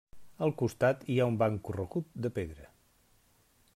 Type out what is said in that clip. Al costat hi ha un banc corregut de pedra.